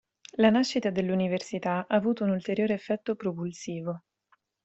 La nascita dell'Università ha avuto un ulteriore effetto propulsivo.